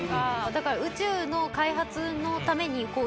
だから宇宙の開発のためにこう。